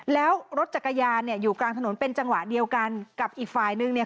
แล้วรถจักรยานเนี่ยอยู่กลางถนนเป็นจังหวะเดียวกันกับอีกฝ่ายนึงเนี่ย